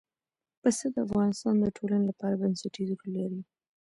پسه د افغانستان د ټولنې لپاره بنسټيز رول لري.